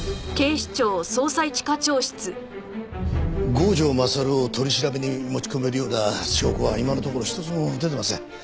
郷城勝を取り調べに持ち込めるような証拠は今のところ一つも出てません。